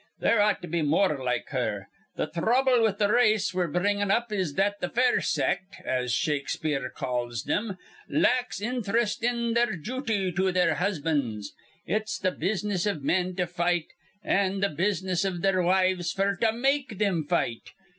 There ought to be more like her. Th' throuble with th' race we're bringin' up is that th' fair sect, as Shakespeare calls thim, lacks inthrest in their jooty to their husbands. It's th' business iv men to fight, an' th' business iv their wives f'r to make thim fight.